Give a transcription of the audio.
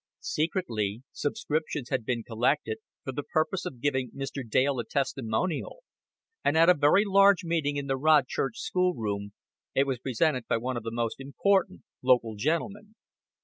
Secretly subscriptions had been collected for the purpose of giving Mr. Dale a testimonial, and at a very large meeting in the Rodchurch Schoolroom, it was presented by one of the most important local gentlemen.